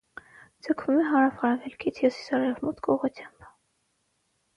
Ձգվում է հարավ֊արևելքից հյուսիս֊արևմուտք ուղղությամբ։